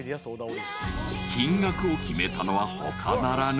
［金額を決めたのは他ならぬ］